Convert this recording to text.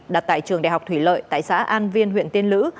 đặt tại trường đại học thủy lợi tại xã an viên huyện tiên lữ